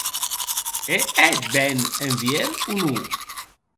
È hèt ben en vier o non?